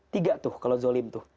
tiga tuh kalau zolim tuh